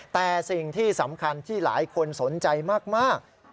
แต่สิ่งที่สำคัญที่หลายคนสนใจมาก